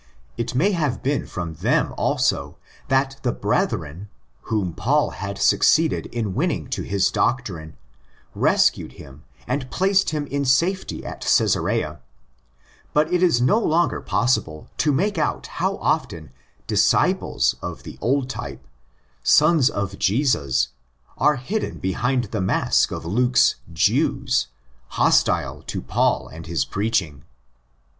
It may have been from them also that the '' brethren' whom Paul had succeeded in winning to his doctrine rescued him and placed him in safety at Cesarea; but it is no longer possible to make out how often '' disciples' of the old type, 'sons of Jesus,'"' are hidden behind the mask of Luke's " Jews" hostile to Paul and his preaching.